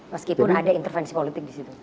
meskipun ada intervensi politik disitu